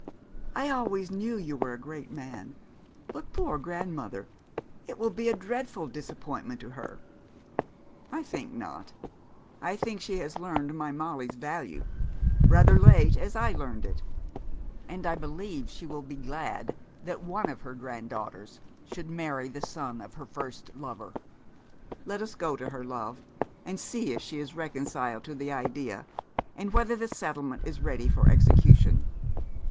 'I always knew you were a great man. But poor grandmother! It will be a dreadful disappointment to her.' 'I think not. I think she has learned my Molly's value; rather late, as I learned it; and I believe she will be glad that one of her granddaughters should marry the son of her first lover. Let us go to her, love, and see if she is reconciled to the idea, and whether the settlement is ready for execution.